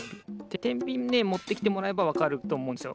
てんびんねもってきてもらえばわかるとおもうんですよ。